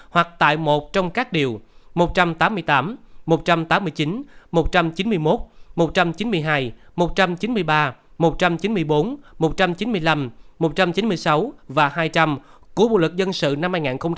hoặc tại một trong các điều một trăm tám mươi tám một trăm tám mươi chín một trăm chín mươi một một trăm chín mươi hai một trăm chín mươi ba một trăm chín mươi bốn một trăm chín mươi năm một trăm chín mươi sáu và hai trăm linh của bộ luật dân sự năm hai nghìn một mươi năm